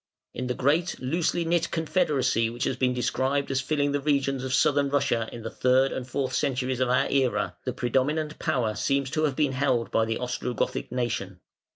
In the great, loosely knit confederacy which has been described as filling the regions of Southern Russia in the third and fourth centuries of our Era, the predominant power seems to have been held by the Ostrogothic nation.